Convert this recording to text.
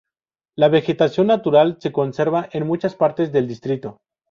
La vegetación natural se conserva en muchas partes del distrito.